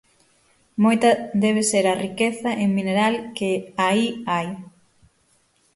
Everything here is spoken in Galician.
Moita debe ser a riqueza en mineral que aí hai.